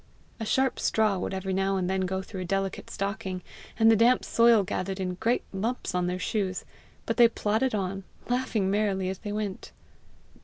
A sharp straw would every now and then go through a delicate stocking, and the damp soil gathered in great lumps on their shoes, but they plodded on, laughing merrily as they went.